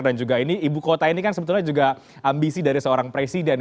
dan juga ini ibu kota ini kan sebetulnya juga ambisi dari seorang presiden